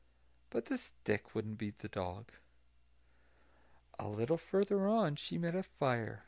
But the stick wouldn't beat the dog. A little further on she met a fire.